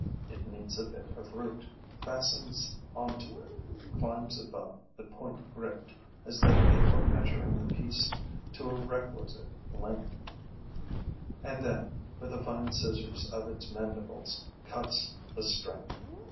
It meets a bit of root, fastens on to it, climbs above the point gripped, as though it were measuring the piece to a requisite length, and then, with the fine scissors of its mandibles, cuts the string.